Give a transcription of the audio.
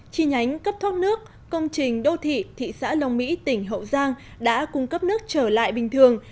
chi nhánh cấp thoát nước công trình đô thị thị xã long mỹ tỉnh hậu giang đã cung cấp nước trở lại bình thường